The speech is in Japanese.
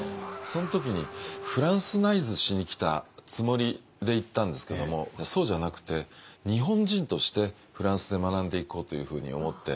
その時にフランスナイズしに来たつもりで行ったんですけどもそうじゃなくて日本人としてフランスで学んでいこうというふうに思って。